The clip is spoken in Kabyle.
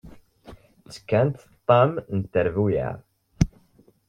Ttekkant ṭam n trebbuyaɛ.